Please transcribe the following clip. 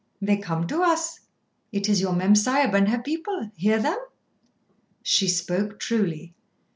"They come to us. It is your Mem Sahib and her people. Hear them." She spoke truly.